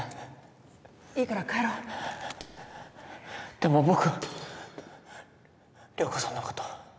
でも僕涼子さんのこと。